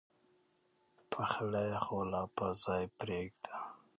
پخلی خو لا پر ځای پرېږده.